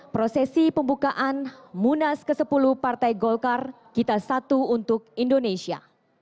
prosesi pembukaan munas ke sepuluh partai golkar kita satu untuk indonesia